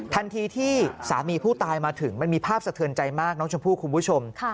ทันทีที่สามีผู้ตายมาถึงมันมีภาพสะเทือนใจมากน้องชมพู่คุณผู้ชม